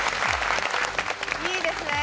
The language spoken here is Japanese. いいですね。